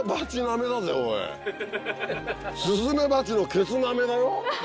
スズメバチのケツなめだよ。